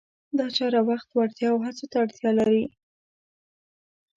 دا چاره وخت، وړتیا او هڅو ته اړتیا لري.